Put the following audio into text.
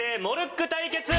モルック対決！